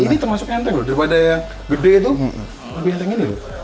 ini termasuknya nyanteng loh daripada yang gede itu lebih nyanteng gini loh